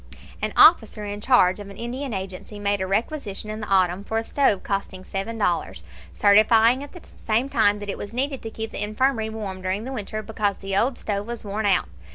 An officer in charge of an Indian agency made a requisition in the autumn for a stove costing seven dollars, certifying at the same time that it was needed to keep the infirmary warm during the winter, because the old stove was worn out.